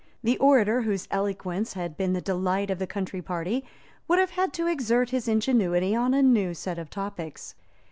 The orator whose eloquence had been the delight of the Country party would have had to exert his ingenuity on a new set of topics.